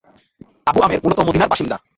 Abu Amer মূলত মদীনার বাসিন্দা।